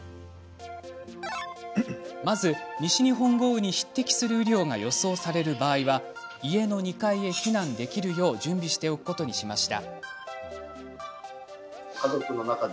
まず西日本豪雨に匹敵する雨量が予想される場合は家の２階へ避難できるよう準備しておくことにしました。